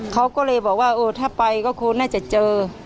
เขาก็เลยบอกว่าโอ้ถ้าไปก็คงน่าจะเจอ